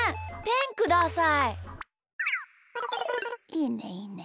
いいねいいね。